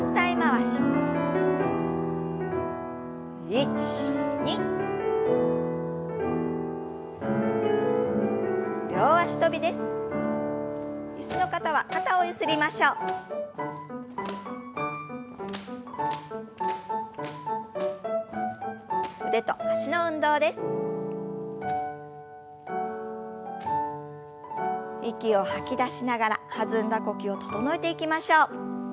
息を吐き出しながら弾んだ呼吸を整えていきましょう。